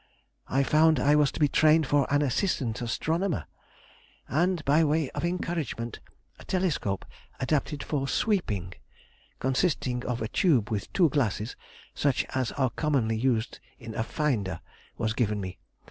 I found I was to be trained for an assistant astronomer, and by way of encouragement a telescope adapted for "sweeping," consisting of a tube with two glasses, such as are commonly used in a "finder," was given me.